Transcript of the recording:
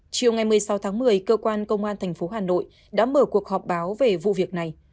chiều ngày một mươi sáu tháng một mươi cơ quan công an tp hà nội đã mở cuộc họp báo về vụ việc này